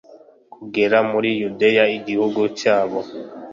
kugera muri yudeya, igihugu cyabo